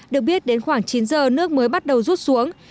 được biết đến khoảng chín giờ nước mới bắt đầu rút xuống